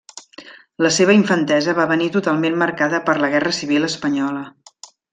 La seva infantesa va venir totalment marcada per la Guerra Civil Espanyola.